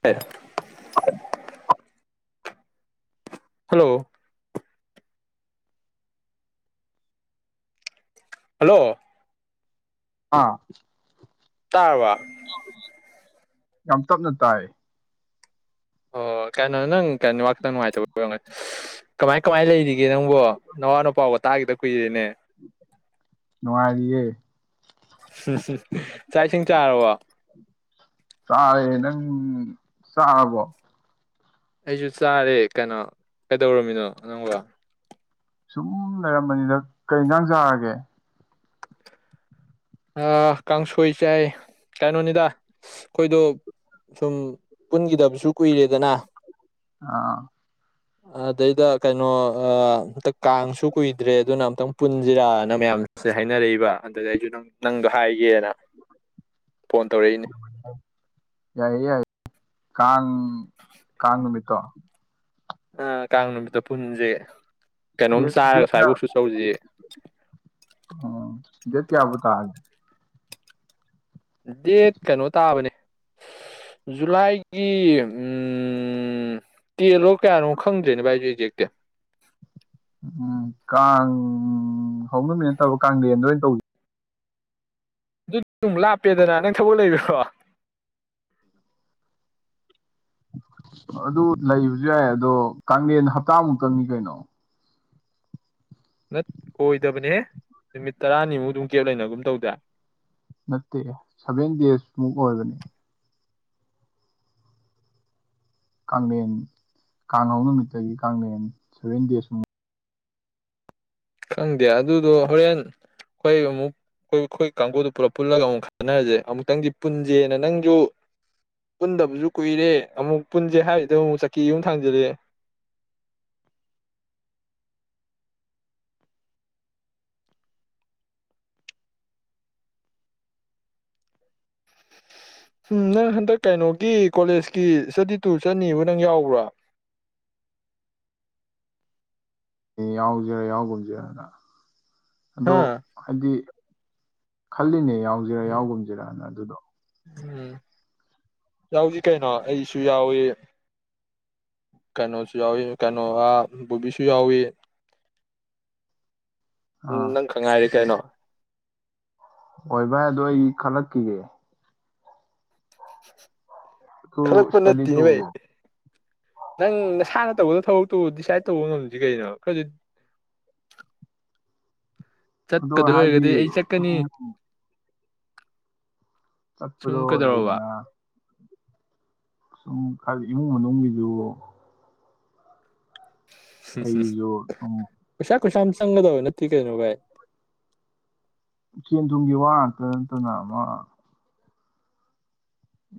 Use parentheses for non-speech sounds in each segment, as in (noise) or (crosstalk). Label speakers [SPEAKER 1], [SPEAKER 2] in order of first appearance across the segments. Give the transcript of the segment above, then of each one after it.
[SPEAKER 1] ꯇ hello hello
[SPEAKER 2] ꯑꯥ
[SPEAKER 1] ꯇꯥꯕ
[SPEAKER 2] ꯌꯥꯝ ꯇꯞꯅ ꯇꯥꯏ
[SPEAKER 1] ꯑꯣꯣꯏ ꯀꯩꯅꯣ ꯅꯪ ꯀꯣ ꯋꯥ ꯈꯇꯪ ꯅꯨꯡꯉꯥꯏꯇꯕ ꯑꯣꯏꯔꯝꯅꯤ ꯀꯃꯥꯏ ꯀꯃꯥꯏ ꯂꯩꯔꯤꯒꯦ ꯅꯪꯕꯨ ꯅꯋꯥ ꯅꯄꯥꯎꯒ ꯇꯥꯒꯦꯗ ꯀꯨꯏꯔꯦꯅꯦ
[SPEAKER 2] ꯅꯨꯡꯉꯥꯏꯔꯤꯌꯦ
[SPEAKER 1] ꯆꯥꯏꯁꯤ ꯇꯥꯔ ꯋꯥ
[SPEAKER 2] ꯆꯥꯏꯦ ꯅꯪ ꯆꯥꯕꯣ
[SPEAKER 1] ꯑꯩꯁꯨ ꯆꯥꯔꯦ ꯀꯩꯅꯣ ꯀꯩꯗꯧꯔꯝꯃꯤꯅꯣ ꯅꯪꯒ
[SPEAKER 2] ꯁꯨꯝ ꯂꯩꯔꯝꯕꯅꯤꯗ ꯀꯔꯤ ꯌꯦꯟꯖꯥꯡ ꯆꯥꯔꯒꯦ
[SPEAKER 1] ꯀꯥꯡꯁꯣꯏ ꯆꯥꯏ ꯀꯩꯅꯣꯅꯤꯗ ꯑꯩꯈꯣꯏꯗꯣ ꯁꯨꯝ ꯄꯨꯟꯈꯤꯗꯕꯁꯨ ꯀꯨꯏꯔꯦꯗꯅ
[SPEAKER 2] ꯑꯥ
[SPEAKER 1] ꯑꯗꯩꯗ ꯀꯩꯅꯣ ꯑꯝꯇ ꯀꯥꯡꯁꯨ ꯀꯨꯏꯗ꯭ꯔꯦ ꯑꯗꯨꯅ ꯑꯝꯛꯇꯪ ꯄꯨꯟꯁꯤꯔꯥꯅ ꯃꯌꯥꯝꯁꯦ ꯍꯥꯏꯅꯔꯛꯏꯕ ꯑꯗꯨꯗ ꯑꯩꯁꯨ ꯅꯪ ꯅꯪꯗ ꯍꯥꯏꯒꯦꯅ ꯐꯣꯟ ꯇꯧꯔꯛꯏꯅꯦ
[SPEAKER 2] ꯌꯥꯏ ꯌꯥꯏ ꯀ ꯀ ꯅꯨꯃꯤꯠꯇꯣ
[SPEAKER 1] ꯑ ꯀꯥꯪ ꯅꯨꯃꯤꯗ ꯄꯨꯟꯖꯦ
[SPEAKER 2] ꯀꯌꯥ ꯎ ꯌꯦ ꯀꯌꯥꯕ ꯇꯒꯦ
[SPEAKER 1] ꯗꯦꯠ ꯀꯩꯅꯣ ꯇꯥꯕꯅꯦ ꯖꯨꯂꯥꯏꯒꯤ ꯇꯦꯜꯂꯣ ꯀꯌꯥꯅꯣ ꯈꯪꯗ꯭ꯔꯦꯅꯣ ꯚꯥꯏꯁꯨ ꯑꯦꯛꯖꯦꯛꯇꯤ
[SPEAKER 2] ꯎꯝ ꯀꯥꯡ ꯍꯧ ꯅꯨꯃꯤꯠ ꯅꯠꯇꯕ ꯀꯥꯡꯗꯦꯟꯗ ꯑꯣꯏꯅ ꯇꯧꯁꯤ
[SPEAKER 1] ꯑꯗꯨ ꯂꯥꯞꯄꯦꯗꯅ ꯅꯪ ꯊꯕꯛ ꯂꯩꯕꯀꯣ
[SPEAKER 2] ꯑꯗꯨ ꯂꯩꯕꯁꯨ ꯌꯥꯏ ꯑꯗꯣ ꯀꯂꯦꯟ ꯍꯞꯇꯥꯃꯨꯛꯇꯪꯅꯤ ꯀꯩꯅꯣ
[SPEAKER 1] ꯅꯠ ꯑꯣꯏꯗꯕꯅꯦ ꯅꯨꯃꯤꯠ ꯇꯔꯥꯅꯤꯃꯨꯛ ꯑꯗꯨꯝ ꯀꯦꯞ ꯂꯩꯅꯒꯨꯝ ꯇꯧꯗꯦ
[SPEAKER 2] ꯅꯠꯇꯦ ꯁꯚꯦꯟ ꯗꯦꯖꯃꯨꯛ ꯑꯣꯏꯕꯅꯤ ꯀꯦꯟ ꯀꯥꯡꯍꯧ ꯅꯨꯃꯤꯠꯇꯒꯤ ꯀꯦꯟ ꯁꯚꯦꯟ ꯗꯦꯁꯨ
[SPEAKER 1] ꯈꯪꯗꯦ ꯑꯗꯨꯗꯣ ꯍꯣꯔꯦꯟ ꯑꯩꯈꯣꯏ ꯑꯃꯨꯛ ꯑꯩꯈꯣꯏ ꯑꯩꯈꯣꯏ ꯀꯥꯡꯕꯨꯗꯨ ꯄꯨꯂꯞ ꯄꯨꯜꯂꯒ ꯑꯃꯨꯛ ꯈꯟꯅꯔꯁꯦ ꯑꯃꯨꯛꯇꯪꯗꯤ ꯄꯨꯟꯁꯦꯅ ꯅꯪꯁꯨ ꯄꯨꯟꯗꯕꯁꯨ ꯀꯨꯏꯔꯦ ꯑꯃꯨꯛ ꯄꯨꯟꯁꯦ ꯍꯥꯏꯕꯗ ꯑꯃꯨꯛ ꯆꯀꯤ ꯑꯃꯨꯛ ꯊꯥꯡꯖꯜꯂꯑꯦ ꯎꯝ ꯅꯪ ꯍꯟꯗꯛ ꯀꯩꯅꯣꯒꯤ ꯀꯣꯂꯦꯖꯀꯤ ꯏꯁꯇꯗꯤ ꯇꯨꯔ ꯆꯠꯅꯤꯕ ꯅꯪ ꯌꯥꯎꯕ꯭ꯔꯥ
[SPEAKER 2] ꯌꯥꯎꯖꯔ ꯌꯥꯎꯨꯝꯖꯔꯅ ꯑꯗꯣ
[SPEAKER 1] ꯍꯥ
[SPEAKER 2] ꯍꯥꯏꯗꯤ ꯈꯜꯂꯤꯅꯦ ꯌꯥꯎꯁꯤꯔꯥ ꯌꯥꯎꯒꯨꯝꯁꯤꯔꯅ ꯑꯗꯨꯗꯣ
[SPEAKER 1] ꯎꯝ ꯌꯥ ꯍꯧꯖꯤꯛ ꯀꯩꯅꯣ ꯑꯩ ꯁꯨ ꯌꯥꯎꯋ ꯀꯩꯅꯣ ꯌꯥꯎꯏ ꯀꯩꯅꯣ ꯋꯥ ꯕꯣꯕꯤꯁꯨ ꯌꯥꯎꯏꯤ ꯎ
[SPEAKER 2] ꯑꯥ
[SPEAKER 1] ꯅꯪ ꯈꯪꯉꯥꯏꯔꯤꯦ ꯀꯩꯅꯣ
[SPEAKER 2] ꯍꯣꯏ ꯚꯥꯏ ꯑꯗꯣ ꯑꯩ ꯈꯜꯂꯛꯈꯤꯒꯦ
[SPEAKER 1] (unintelligible)
[SPEAKER 2] ꯇꯨ
[SPEAKER 1] ꯈꯜꯂꯛꯄ
[SPEAKER 2] ꯏꯁꯇꯗꯤ
[SPEAKER 1] ꯅꯠꯇꯦꯅꯦꯚꯩ
[SPEAKER 2] ꯇꯨꯒꯤ
[SPEAKER 1] ꯅꯪ ꯅꯁꯥꯅ ꯇꯧꯕꯗ ꯊꯕꯛꯇꯨ ꯗꯤꯁꯥꯏꯠ ꯇꯧꯕ ꯉꯝꯁꯤ ꯀꯩꯅꯣ ꯈꯔꯗꯤ
[SPEAKER 2] ꯑꯗꯣ
[SPEAKER 1] ꯆꯠꯀꯗꯣꯏ
[SPEAKER 2] ꯍꯥꯏꯗꯤ
[SPEAKER 1] ꯑꯣꯏꯔꯒꯗꯤ ꯑꯩ
[SPEAKER 2] ꯁꯨꯝ
[SPEAKER 1] ꯆꯠꯀꯅꯤ ꯁꯨꯝ
[SPEAKER 2] ꯆꯠꯄꯗꯨꯣ ꯂꯩ
[SPEAKER 1] ꯀꯩꯗꯧꯔꯕ
[SPEAKER 2] ꯂꯩꯗꯅ ꯁꯨꯝ ꯈꯔ ꯏꯃꯨꯡ ꯃꯅꯨꯡꯒꯤꯁꯨ ꯀꯩꯁꯨ ꯊ
[SPEAKER 1] ꯣꯏ ꯁꯝꯁꯪꯒꯗ ꯅ ꯀꯅ ꯀꯥꯏ
[SPEAKER 2] ꯁꯦꯟ ꯊꯨꯝꯒꯤ ꯋꯥ ꯉꯥꯛꯇ ꯅꯠꯇꯅ ꯑꯃ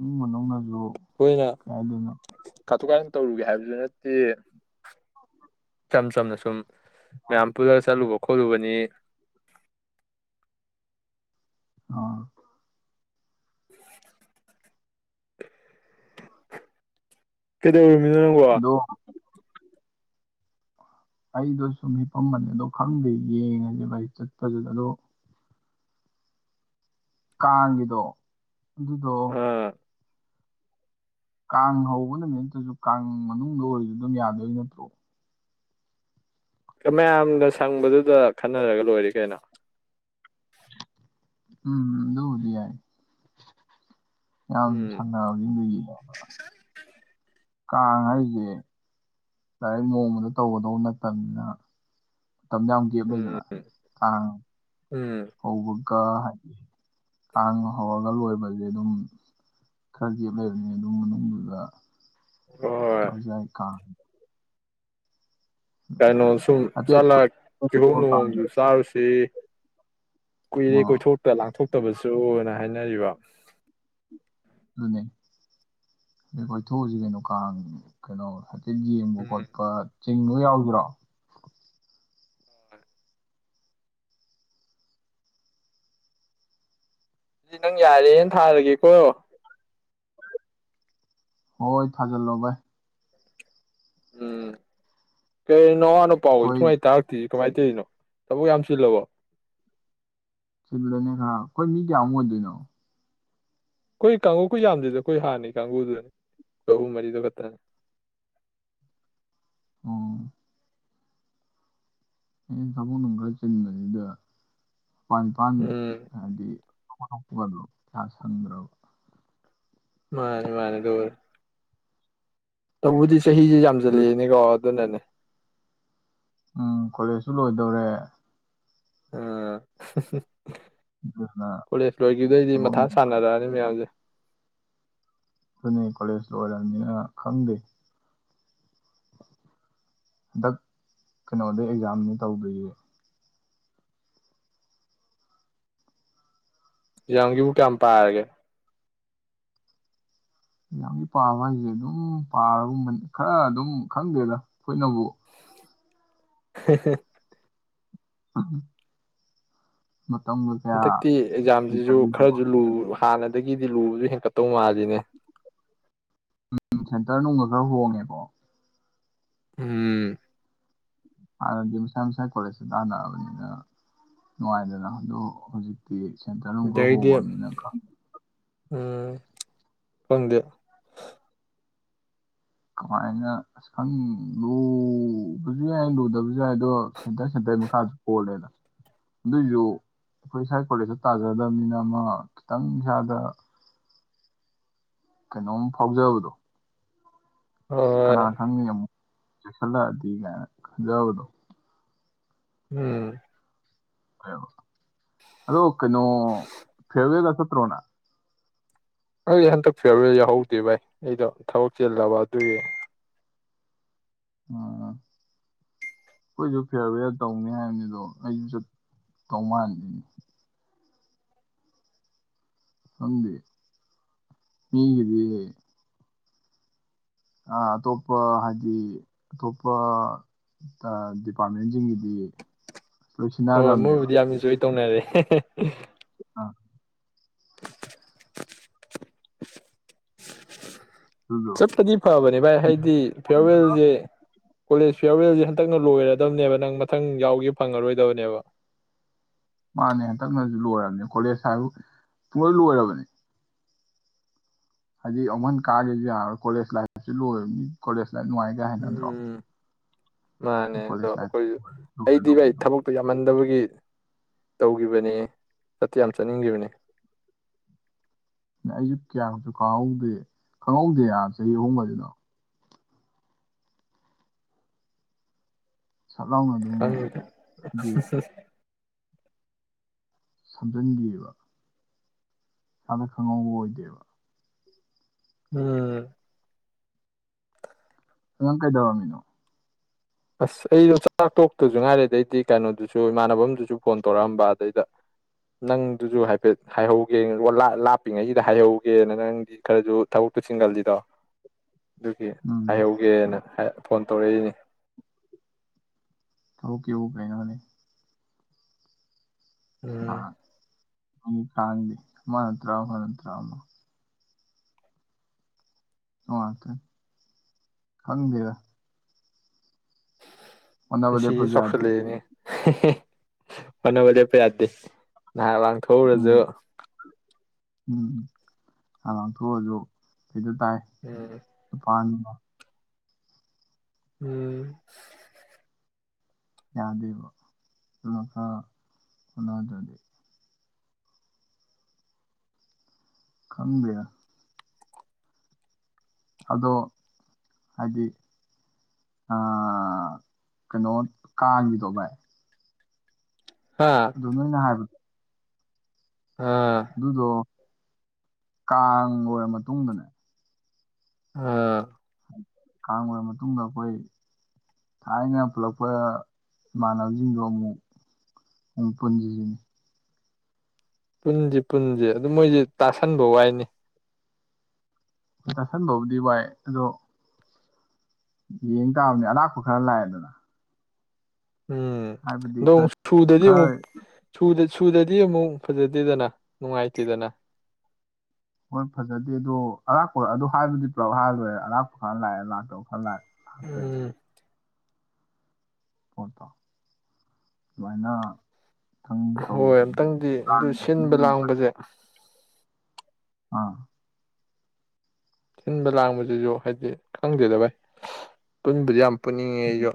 [SPEAKER 2] ꯎꯝ ꯃꯧꯅ ꯑꯗꯨ
[SPEAKER 1] ꯑꯩꯈꯣꯏꯅ
[SPEAKER 2] ꯀꯥꯏꯗꯅꯣ
[SPEAKER 1] ꯀꯥꯊꯣꯛ ꯀꯥꯔꯟ ꯇꯧꯔꯨꯒꯦ ꯍꯥꯏꯕꯁꯨ ꯅꯠꯇꯦ ꯏꯆꯝ ꯆꯝꯅ ꯁꯨꯝ ꯃꯌꯥꯝꯝꯄꯨꯔꯗꯔ ꯆꯨ ꯀ ꯈꯣꯂꯨꯕꯅꯤ
[SPEAKER 2] ꯑ
[SPEAKER 1] (unintelligible) ꯀꯗ ꯃꯤꯅ ꯅꯣ
[SPEAKER 2] ꯑꯗꯣ ꯑꯩꯗꯣ ꯁꯨꯝ ꯍꯤꯄꯝꯕꯅꯦ ꯑꯗꯣ ꯈꯪꯗꯦ ꯌꯦꯡꯉꯁꯦ ꯚꯥꯏ ꯆꯠꯄꯗꯨꯗ ꯑꯗꯣ ꯀꯒꯤꯗꯣ ꯑꯗꯨꯗꯣ ꯀꯥꯡ ꯍꯧꯕ ꯅꯨꯃꯤꯠꯇꯁꯨ ꯀꯥꯡ ꯃꯅꯨꯡꯗ ꯑꯣꯏꯔꯤꯗꯨ ꯑꯗꯨꯝ ꯌꯥꯗꯣꯏ ꯅꯠꯇ꯭ꯔꯣ
[SPEAKER 1] ꯃꯌꯥꯝꯅ ꯁꯪꯕꯗꯨꯗ ꯈꯟꯅꯔꯒ ꯂꯣꯏꯔ ꯀꯩꯅꯣ
[SPEAKER 2] ꯎꯝ ꯑꯗꯨꯗꯤ ꯌꯥꯏ ꯌꯥꯝ
[SPEAKER 1] ꯎꯝ
[SPEAKER 2] ꯁꯥꯟꯅꯔꯕꯁꯤꯡꯗꯨꯒꯤ ꯀꯥꯡ ꯍꯥꯏꯁꯦ ꯂꯥꯏꯔꯤꯛ ꯅꯣꯡꯃꯗ ꯇꯧꯒꯗꯧꯕ ꯅꯠꯇꯕꯅꯤꯅ ꯃꯇꯝꯗ ꯌꯥꯝ ꯒꯦꯞ
[SPEAKER 1] ꯎꯝ
[SPEAKER 2] ꯂꯩꯗꯅ ꯑ
[SPEAKER 1] ꯎꯝ
[SPEAKER 2] ꯍꯧꯕ ꯀ ꯍꯥꯏꯗꯤ ꯀꯥꯡ ꯍꯧꯔꯒ ꯂꯣꯏꯕꯁꯦ ꯑꯗꯨꯝ ꯈꯔ ꯒꯦꯞ ꯂꯩꯔꯅꯤ ꯑꯗꯨꯝ ꯃꯅꯨꯡꯗꯨꯗ
[SPEAKER 1] ꯍꯣꯏ
[SPEAKER 2] ꯇꯖꯥꯏ ꯀꯥ
[SPEAKER 1] ꯀꯩꯅꯣ ꯁꯨꯝ
[SPEAKER 2] ꯍꯥꯏꯐꯦꯠ
[SPEAKER 1] ꯆꯠꯂ ꯀꯤꯍꯣꯝ
[SPEAKER 2] ꯀꯣꯏꯊꯣꯛꯑ ꯀꯥꯡ
[SPEAKER 1] ꯂꯨꯍꯣꯡꯗꯨ
[SPEAKER 2] ꯑ
[SPEAKER 1] ꯆꯥꯔꯨꯁꯤ ꯀꯣꯏꯔꯦ ꯀꯣꯏ ꯊꯣꯛ ꯇ ꯂꯥꯛ ꯐꯠꯇꯕꯁꯨꯅ ꯍꯥꯏꯅꯔꯤꯕ
[SPEAKER 2] ꯑꯗꯨꯅꯦ ꯑꯗꯩ ꯀꯣꯏꯊꯣꯛꯎꯁꯤ ꯀꯩꯅꯣ ꯀꯥꯡ ꯀꯩꯅꯣ ꯁꯤ ꯌꯦꯡꯕ
[SPEAKER 1] ꯎꯝ
[SPEAKER 2] ꯈꯣꯠꯄ ꯆꯤꯡꯕꯒ ꯌꯥꯎꯕꯤꯔꯣ
[SPEAKER 1] ꯑꯗꯨ ꯅꯪ ꯌꯥꯔꯦꯅ ꯊꯥꯔꯒꯦꯀꯣ
[SPEAKER 2] ꯍꯣꯏ ꯊꯥꯖꯜꯂꯣꯕ ꯥꯏ
[SPEAKER 1] ꯎꯝ ꯀꯩꯅ ꯄꯥꯎ
[SPEAKER 2] ꯑꯩꯈꯣꯏ
[SPEAKER 1] ꯁꯨꯃꯥꯏ ꯇꯥꯔꯛꯇ ꯀꯃꯥꯏꯅ ꯇꯧꯔꯤꯅꯣ ꯊꯕꯛ ꯌꯥꯝ ꯆꯜꯂꯕꯣ
[SPEAKER 2] ꯆꯤꯜꯂꯦꯅꯦ ꯈꯔ ꯑꯩꯈꯣꯏ ꯃꯤ ꯀꯌꯥꯃꯨꯛ ꯑꯣꯏꯗꯣꯏꯅꯣ
[SPEAKER 1] ꯑꯩꯈꯣꯏ ꯀꯥꯡꯨꯀ ꯌꯥꯝꯗ꯭ꯣꯏꯗ ꯑꯩꯈꯣꯏ ꯍꯥꯟꯅꯤ ꯀꯥꯡꯒꯕꯨꯗꯨꯅꯤ ꯑꯍꯨꯝ ꯃꯔꯤꯗꯨ ꯈꯛꯇꯅꯦ
[SPEAKER 2] ꯑꯣ ꯑꯦ ꯇꯃꯅꯅꯨꯡ ꯀꯔꯤ ꯆꯠꯗꯤ ꯏꯗ ꯄꯥꯥꯟ ꯅꯤꯄꯥꯥꯟ
[SPEAKER 1] ꯎꯝ
[SPEAKER 2] ꯍꯥꯏꯗꯤ ꯀ ꯁꯗ꯭ꯔꯕ
[SPEAKER 1] ꯃꯥꯅꯦ ꯃꯥꯅꯦ ꯗꯔ ꯇꯎꯕꯨꯖꯤ ꯆꯍꯤꯁꯦ
[SPEAKER 2] ꯑꯗꯨ
[SPEAKER 1] ꯌꯥꯝꯁꯤꯜꯂꯛꯦꯅꯤꯀꯣ ꯑꯗꯨꯅꯅꯦ
[SPEAKER 2] ꯎꯝ ꯀꯣꯂꯦꯖꯁꯨ ꯂꯣꯏꯗꯧꯔꯦ
[SPEAKER 1] ꯑꯥ
[SPEAKER 2] ꯑꯗꯨꯅ
[SPEAKER 1] ꯀꯣꯂꯦꯖ ꯂꯣꯏꯈꯤꯕꯗꯣꯏꯗꯤ
[SPEAKER 2] ꯊꯕꯛ
[SPEAKER 1] ꯃꯊꯥ ꯁꯥꯟꯅꯔꯛꯑꯅꯤ ꯃꯌꯥꯝꯁꯦ
[SPEAKER 2] ꯑꯗꯨꯅꯦ ꯀꯣꯂꯦꯖꯇ ꯑꯣꯏꯔꯕꯅꯤꯅ ꯈꯪꯗꯦ ꯍꯟꯗꯛ ꯀꯩꯅꯣꯗ ꯑꯦꯛꯖꯥꯝꯅꯤ ꯇꯧꯗꯣꯏꯌꯦ
[SPEAKER 1] ꯌꯥꯡꯒꯤꯕꯨ ꯀꯌꯥꯝ ꯄꯔꯒꯦ
[SPEAKER 2] ꯌꯥꯝꯗꯤ ꯄꯥꯕ ꯍꯥꯏꯁꯦ ꯑꯗꯨꯝ ꯄꯥꯔꯒꯕ ꯈꯔ ꯑꯗꯨꯝ ꯈꯪꯗꯦꯗ ꯈꯨꯠꯅꯕꯨ
[SPEAKER 1] (unintelligible)
[SPEAKER 2] ꯑ
[SPEAKER 1] ꯍꯟꯗꯛꯇꯤ ꯑꯦꯛꯖꯥꯝꯁꯤꯁꯨ
[SPEAKER 2] ꯂꯩꯇꯕꯅꯤꯅꯀꯣ
[SPEAKER 1] ꯈꯔꯁꯨ ꯂꯨ ꯍꯥꯟꯅꯗꯒꯤꯗꯤ ꯂꯨꯕꯁꯨ ꯍꯦꯟꯀꯠꯇꯧ ꯃꯥꯜꯂꯤꯅꯦ
[SPEAKER 2] ꯁꯦꯟꯇꯔ ꯅꯨꯡꯒ ꯈꯔ ꯍꯣꯡꯉꯦꯀꯣ
[SPEAKER 1] ꯎꯝ
[SPEAKER 2] ꯍꯥꯟꯅꯗꯤ ꯃꯁꯥꯏ ꯃꯁꯥꯏ ꯀꯔꯦꯁ ꯇꯥꯟꯅꯑꯕꯅꯤꯅ ꯅꯨꯡꯉꯥꯏꯗꯅ ꯑꯗꯨ ꯍꯧꯖꯤꯛꯇ ꯁꯦꯟꯇꯔꯅꯨꯡ ꯈ
[SPEAKER 1] ꯑꯗꯩꯗꯤ
[SPEAKER 2] ꯍꯣꯡꯉꯕꯅꯤꯅ
[SPEAKER 1] ꯎꯝ ꯍꯗꯌꯥ
[SPEAKER 2] ꯀꯃꯥꯏꯅ ꯑꯁ ꯈꯪ ꯂꯨꯕꯁꯨ ꯌꯥꯏ ꯂꯨꯗꯕ ꯗꯣ ꯁꯦꯟꯇꯔ ꯁꯦꯟꯇꯔ ꯏꯁꯥꯁꯨ ꯀꯣꯜꯂꯦꯅ ꯑꯗꯨꯏꯁꯨ ꯑꯩꯈꯣꯏ ꯏꯁꯋꯥꯥꯏ ꯀꯣꯂꯦꯖꯇ ꯇꯥꯖꯗꯕꯅꯤꯅ ꯑꯃ ꯈꯤꯇꯪ ꯏꯁꯥꯗ ꯀꯩꯅꯣꯝ ꯐꯥꯎꯖꯕꯗꯣ ꯀꯅꯥ
[SPEAKER 1] ꯍꯣꯏ
[SPEAKER 2] ꯈꯪꯉ ꯑꯃꯨꯣ ꯁꯂꯗꯤ ꯀꯥꯏꯅꯖꯎꯗ
[SPEAKER 1] ꯎꯝ
[SPEAKER 2] ꯑꯗꯣ ꯑꯣ ꯀꯩꯅꯣ ꯐꯋꯦꯒ ꯁꯠꯇ꯭ꯔꯣꯅ
[SPEAKER 1] ꯑꯩ ꯍꯟꯗꯛ ꯐꯦꯕꯔꯤ ꯌꯥꯎꯍꯧꯗꯦ ꯚꯥꯏ ꯑꯩꯗꯣ ꯊꯕꯛ ꯆꯦꯜꯂꯕ ꯑꯗꯨꯒꯤ
[SPEAKER 2] ꯎꯝ ꯑꯩꯈꯣꯏꯁꯨ ꯐꯤꯌꯥꯔ ꯦꯦꯜ ꯇꯧꯅꯤ ꯍꯥꯏꯕꯅꯤꯗꯣ ꯑꯩꯁꯨ ꯆ ꯇꯧ ꯃꯟꯜꯂꯤꯅꯦ ꯍꯗꯦ ꯃꯤꯒꯗꯤ ꯑꯇꯣꯞꯄ ꯍꯥꯏꯗꯤ ꯑꯇꯣꯞꯄ ꯗꯤꯄꯥꯔꯠꯃꯦꯟꯁꯤꯡꯒꯤꯗꯤ
[SPEAKER 1] ꯍꯣꯏ
[SPEAKER 2] ꯂꯣꯏꯁꯤꯟꯅꯈ꯭ꯔꯕꯅꯦꯕ
[SPEAKER 1] ꯃꯣꯏꯕꯨꯗꯤ ꯌꯥꯝ ꯏꯟꯖꯣꯏ ꯇꯧꯅꯔꯦ (unintelligible)
[SPEAKER 2] ꯑꯥ ꯑꯗꯨꯗꯣ
[SPEAKER 1] ꯆꯠꯄꯗꯤ ꯐꯕꯅꯦ ꯚꯥꯏ ꯍꯥꯏꯗꯤ ꯐꯤꯌꯥꯔꯋꯦꯜꯁꯦ ꯀꯣꯂꯦꯖ ꯐꯤꯌꯥꯔꯋꯦꯜꯁꯦ ꯍꯟꯗꯛꯅ ꯂꯣꯏꯔꯗꯕꯅꯦꯕ ꯅꯪ ꯃꯊꯪ ꯌꯥꯎꯒꯦ ꯐꯪꯉꯔꯣꯏꯗꯕꯅꯦꯕ
[SPEAKER 2] ꯃꯥꯅꯦ ꯍꯟꯇꯛꯅꯁꯨ ꯂꯣꯏꯔꯕꯅꯤ ꯀꯣꯂꯦꯖ ꯍꯥꯏꯕ ꯄꯨꯡꯂꯣꯏ ꯂꯣꯏꯔꯕꯅꯤ ꯍꯥꯏꯖꯤꯛ ꯑꯃꯟ ꯀꯥꯔꯦꯁꯨ ꯀꯣꯂꯦꯖ ꯂꯥꯏꯁꯨ ꯂꯣꯏꯦ ꯃꯤ ꯀꯣꯂꯦꯖ ꯁꯤ ꯅꯨꯡꯉꯥꯏꯒꯦ ꯍꯥꯏꯅꯗ꯭ꯔꯣ
[SPEAKER 1] ꯎꯝ ꯃꯥꯅꯦ ꯑꯗꯣ
[SPEAKER 2] ꯀꯣꯂꯦꯖ ꯂꯥꯏꯐꯁꯤ
[SPEAKER 1] ꯑꯩꯈꯣꯏꯁꯨ ꯑꯩꯗꯤ ꯚꯥꯏ
[SPEAKER 2] ꯂꯣꯏꯔꯗꯧꯕꯅꯤ
[SPEAKER 1] ꯊꯕꯛꯇꯨ ꯌꯥꯝꯃꯟꯗꯕꯒꯤ ꯇꯧꯈꯤꯕꯅꯤ ꯆꯠꯇ ꯌꯥꯝ ꯆꯠꯅꯤꯡꯈꯤꯕꯅꯤ
[SPEAKER 2] ꯅ ꯑꯩꯁꯨ ꯀꯌꯥꯃꯨꯛꯁꯨ ꯈꯪꯍꯧꯗꯦ ꯈꯪꯍꯧꯗꯦ ꯆꯍꯤ ꯑꯍꯣꯡꯒꯕꯁꯤꯅꯣ ꯁꯠ ꯂꯥꯎꯅ ꯑꯗꯨꯝ
[SPEAKER 1] ꯈꯪꯗꯦ
[SPEAKER 2] ꯍꯥꯏꯗꯤ ꯁꯝꯖꯤꯟꯒꯕ ꯏꯁꯥꯗ ꯈꯪꯍꯧꯕ ꯑꯣꯏꯗꯦꯕ
[SPEAKER 1] ꯎꯝ
[SPEAKER 2] ꯅ ꯅꯪ ꯀꯩꯗꯧꯔꯝꯃꯤꯅꯣ
[SPEAKER 1] ꯑꯁ ꯑꯩꯗꯣ ꯆꯥꯛ ꯇꯣꯛꯇꯁꯨ ꯉꯥꯏꯔꯦ ꯑꯗꯩꯗꯤ ꯀꯩꯅꯣꯗꯨꯁꯨ ꯏꯃꯥꯟꯅꯕꯗꯨꯁꯨ ꯐꯣꯟ ꯇꯧꯔꯛꯑꯝꯕ ꯑꯗꯩꯗ ꯅꯪꯗꯨꯁꯨ ꯍꯥꯏꯐꯦꯠ ꯍꯥꯏꯍꯧꯒꯦ ꯂꯥꯛꯞꯄꯤꯉꯩꯁꯤꯗ ꯍꯥꯏꯍꯧꯒꯦꯅ ꯅꯪꯒꯤ ꯈꯔꯁꯨ ꯊꯕꯛꯇꯨ ꯆꯤꯡꯒꯜꯂꯤꯗꯣ ꯑꯗꯨꯒꯤ
[SPEAKER 2] ꯎꯝ
[SPEAKER 1] ꯍꯥꯏꯍꯧꯒꯦꯅ ꯐꯣꯟ ꯇꯧꯔꯛꯏꯅꯦ
[SPEAKER 2] ꯍꯧ ꯀꯧ ꯄꯦꯅ ꯍꯅꯦ
[SPEAKER 1] ꯎꯝ
[SPEAKER 2] ꯈꯥꯡꯗꯦ ꯃꯥ ꯅꯠꯇ꯭ꯔꯥ ꯃꯥ ꯅꯠꯇ꯭ꯔꯥ ꯑꯃ ꯑ ꯇ ꯍꯪꯒꯦꯔ
[SPEAKER 1] ꯁꯤ
[SPEAKER 2] ꯂꯦꯞꯄꯁꯨ
[SPEAKER 1] ꯆꯁ
[SPEAKER 2] ꯌꯥꯗꯦ
[SPEAKER 1] ꯂꯩꯅꯤ ꯃꯅꯕꯖꯦ ꯄ ꯌꯥꯗꯁ ꯉꯍꯥꯛ ꯂꯥꯡꯊꯣꯛꯎꯔꯁꯨ
[SPEAKER 2] ꯎꯝ ꯎꯝ ꯂꯥꯡꯊꯣꯛꯎꯔꯁꯨ ꯀꯗ ꯇꯥꯏ
[SPEAKER 1] ꯎꯝ
[SPEAKER 2] ꯨꯄꯥꯟ (unintelligible) ꯑ
[SPEAKER 1] ꯎꯝ
[SPEAKER 2] ꯌꯥꯗꯦꯕ ꯑꯗꯨ ꯈꯔ ꯍꯣꯠꯅꯗꯔ꯭ ꯗꯤ ꯈꯪꯗꯦ ꯑꯗꯣ ꯍꯥꯏꯗꯤ ꯀꯩꯅꯣ ꯀꯥꯡꯒꯤꯗꯣ ꯚꯥꯏ
[SPEAKER 1] ꯍꯥ
[SPEAKER 2] ꯑꯗꯨ ꯅꯣꯏꯅ ꯍꯥꯏꯕꯗꯣ
[SPEAKER 1] ꯑꯥ
[SPEAKER 2] ꯑꯗꯨꯗꯣ ꯀꯥꯡ ꯂꯣꯏꯔ ꯃꯇꯨꯡꯗꯅꯦ
[SPEAKER 1] ꯑꯥ
[SPEAKER 2] ꯀꯥꯡ ꯂꯣꯏꯔ ꯃꯇꯨꯡꯗ ꯑꯩꯈꯣꯏ ꯊꯥꯏꯅ ꯄꯨꯜꯂꯛꯄ ꯏꯃꯥꯟꯅꯕꯁꯤꯡꯗꯣ ꯑꯃꯨꯛ ꯑꯃꯨꯛ ꯄꯨꯟꯁꯤꯁꯦ
[SPEAKER 1] ꯄꯨꯟꯁꯤ ꯄꯨꯟꯁꯦ ꯑꯗꯨꯝ ꯃꯣꯏꯁꯦ ꯇꯥꯁꯟꯕ ꯋꯥꯏꯅꯦ
[SPEAKER 2] ꯇꯥꯁꯟꯕꯕꯨꯗꯤ ꯋꯥꯏ ꯑꯗꯣ ꯌꯦꯡ ꯇꯥꯕꯅꯦ ꯑꯔꯥꯛꯄ ꯈꯔ ꯂꯥꯛꯑꯦꯗꯅ
[SPEAKER 1] ꯎꯝ
[SPEAKER 2] ꯍꯥꯏꯕꯗꯤ
[SPEAKER 1] ꯑꯗꯣ
[SPEAKER 2] ꯈꯔ
[SPEAKER 1] ꯑꯃꯨꯛ ꯁꯨꯗꯗꯤ ꯑꯃꯨꯛ
[SPEAKER 2] ꯈꯔ
[SPEAKER 1] ꯁꯨꯗ ꯁꯨꯗꯗꯤ ꯑꯃꯨꯛ ꯐꯖꯗꯦꯗꯅ ꯅꯨꯡꯉꯥꯏꯇꯦꯗꯅ
[SPEAKER 2] ꯍꯣꯏ ꯐꯖꯗꯦ ꯑꯗꯣ ꯑꯔꯥꯛꯄ ꯑꯗꯨ ꯍꯥꯏꯗꯨꯗꯤ ꯄꯨꯂꯞ ꯍꯥꯏꯔ ꯂꯣꯏꯔꯦ ꯑꯔꯥꯛꯄ ꯈꯔ ꯂꯥꯛꯑꯦ ꯂꯥꯛꯇꯕ ꯈꯔ ꯂꯥꯛꯑꯦ ꯍꯥ ꯐꯦꯗ (unintelligible)
[SPEAKER 1] ꯎꯝ
[SPEAKER 2] ꯄꯣꯠꯇꯣ ꯑꯗꯨꯃꯥꯏꯅ ꯊꯪ
[SPEAKER 1] ꯍꯣꯏ
[SPEAKER 2] ꯇꯧꯁꯤꯅꯤ
[SPEAKER 1] ꯑꯃꯇꯪꯗꯤ ꯑꯗꯨ ꯁꯤꯟꯕ ꯂꯥꯡꯕꯁꯦ
[SPEAKER 2] ꯑꯥ
[SPEAKER 1] ꯊꯤꯟꯕ ꯂꯥꯡꯕꯁꯤꯁꯨ ꯍꯥꯏꯗꯤ ꯈꯪꯗꯦꯗ ꯚꯥꯏ ꯄꯨꯟꯕꯗꯤ ꯌꯥꯝ ꯄꯨꯟꯅꯤꯡꯉꯦ